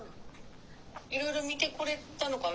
いろいろ見てこれたのかな？